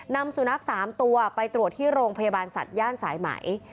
นำสุนัข๓ตัวไปตรวจที่โรงพยาบาลสัตว์ย่านสายไหม